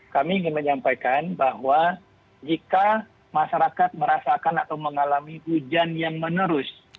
kami ingin menyampaikan bahwa jika masyarakat merasakan atau mengalami hujan yang menerus